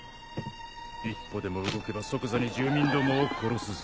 一歩でも動けば即座に住民どもを殺すぞ。